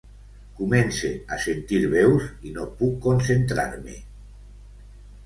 Comence a sentir veus i no puc concentrar-me.